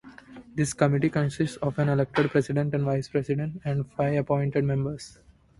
This committee consists of an elected president and vice president, and five appointed members.